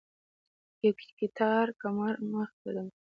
یو کټار کمر مخې ته و.